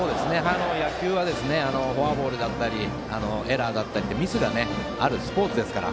野球はフォアボールやエラーといったミスがあるスポーツですから。